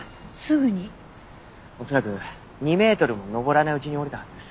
恐らく２メートルも登らないうちに折れたはずです。